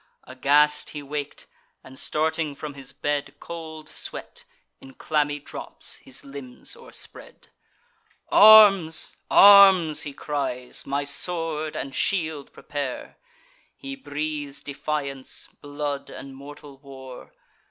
Aghast he wak'd; and, starting from his bed, Cold sweat, in clammy drops, his limbs o'erspread. "Arms! arms!" he cries: "my sword and shield prepare!" He breathes defiance, blood, and mortal war.